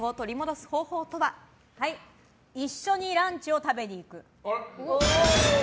一緒にランチを食べに行く。